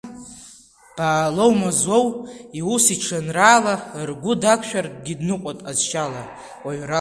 Баалоу Мазлоу иус иҽанраала, ргәы дақәшәартәгьы дныҟәоит ҟазшьала, уаҩрала.